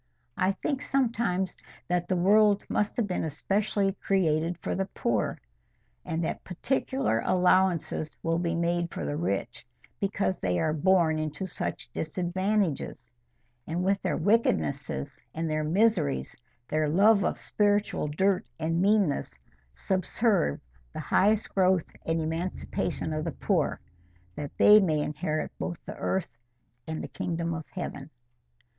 I think sometimes that the world must have been especially created for the poor, and that particular allowances will be made for the rich because they are born into such disadvantages, and with their wickednesses and their miseries, their love of spiritual dirt and meanness, subserve the highest growth and emancipation of the poor, that they may inherit both the earth and the kingdom of heaven.